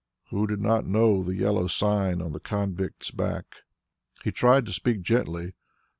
Who did not know the yellow sign on the convict's back? He tried to speak gently.